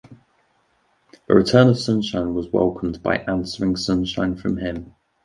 The return of sunshine was welcomed by answering sunshine from him.